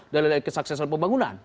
dari kesaksesan pembangunan